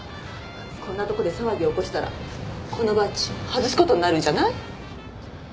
こんなとこで騒ぎを起こしたらこのバッジ外すことになるんじゃない？